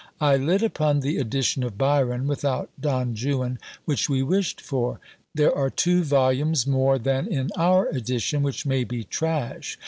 I lit upon the edition of Byron (without Don Juan) which we wished for. There are two vols. more than in our edition, which may be trash.